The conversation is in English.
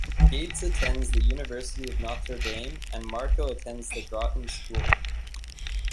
Gates attends the University of Notre Dame, and Marco attends the Groton School.